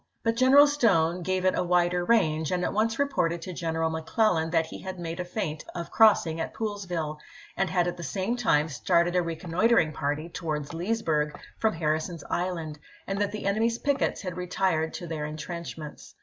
But General Stone gave it a wider range, and at once reported to General McClellan that he had made a feint of crossing at Poolesville, and had at the same time started a reconnoitering party towards Leesburg from Harrison's Island, and that the enemy's pickets had retired to their intrenchments.